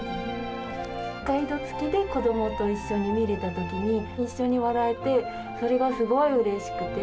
ガイド付きで子どもと一緒に見れたときに、一緒に笑えて、それがすごいうれしくて。